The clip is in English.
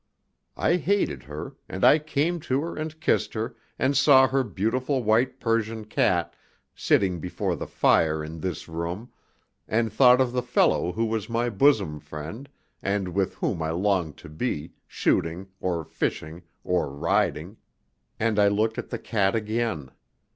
I hated her, and I came to her and kissed her, and saw her beautiful white Persian cat sitting before the fire in this room, and thought of the fellow who was my bosom friend, and with whom I longed to be, shooting, or fishing, or riding. And I looked at the cat again.